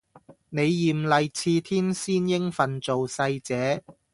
你艷麗似天仙應份做世姐